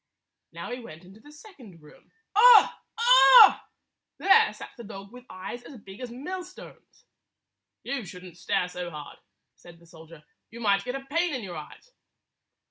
Now he went into the second room. Ugh! Ugh ! There sat the dog with eyes as big as millstones. "You should n't stare so hard," said the soldier. "You might get a pain in your eyes."